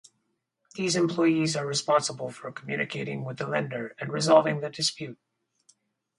These employees are responsible for communicating with the lender and resolving the dispute.